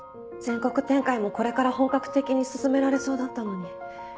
全国展開もこれから本格的に進められそうだったのに。